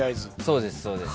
そうですそうです。